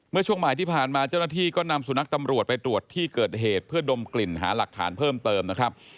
ช่วงบ่ายที่ผ่านมาเจ้าหน้าที่ก็นำสุนัขตำรวจไปตรวจที่เกิดเหตุเพื่อดมกลิ่นหาหลักฐานเพิ่มเติมนะครับ